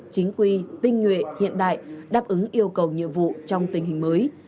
chính quy tinh nhuệ hiện đại đáp ứng yêu cầu nhiệm vụ trong tình hình mới